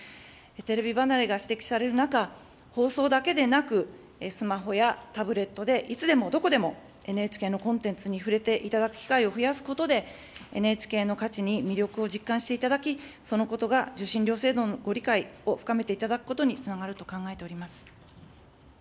テレビ離れが指摘される中、放送だけでなく、スマホやタブレットで、いつでもどこでも、ＮＨＫのコンテンツに触れていただく機会を増やすことで、ＮＨＫの価値に魅力を実感していただき、そのことが受信料制度のご理解を深めていただくことにつながると考えております。